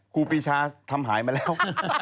ครูปีชาทำหายมาแล้ว